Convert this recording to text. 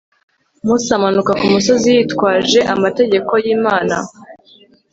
mose amanuka kumusozi yitwaje amategeko y'imana